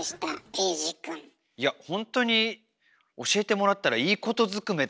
瑛士くん。いやほんとに教えてもらったらいいことずくめだなって。